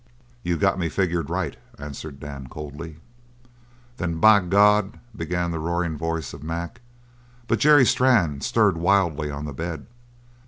"You got me figured right," answered Dan coldly. "Then, by God " began the roaring voice of Mac, but Jerry Strann stirred wildly on the bed.